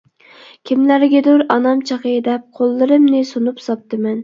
كىملەرگىدۇر ئانام چېغى دەپ، قوللىرىمنى سۇنۇپ ساپتىمەن.